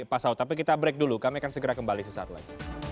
pak saud tapi kita break dulu kami akan segera kembali sesaat lagi